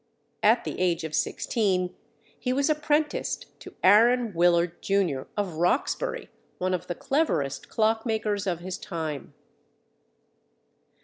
At the age of sixteen, he was apprenticed to Aaron Willard, Jr., of Roxbury, one of the cleverest clock makers of his time.